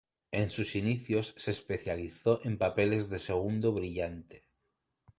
En sus inicios se especializó en papeles de segundo brillante.